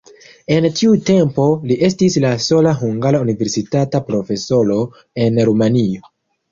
En tiu tempo li estis la sola hungara universitata profesoro en Rumanio.